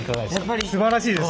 すばらしいです。